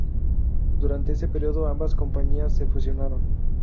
Durante ese período ambas compañías se fusionaron.